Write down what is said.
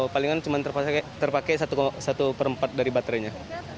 palingan cuma terpakai satu per empat dari baterainya